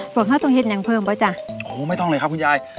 อ๋อผักข้าวตรงเฮ็ดอย่างเพิ่มปะจ๊ะโอ้ไม่ต้องเลยครับคุณยาย